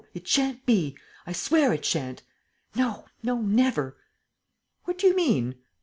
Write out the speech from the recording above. It shan't be, I swear it shan't! No, no never!" "What do you mean?"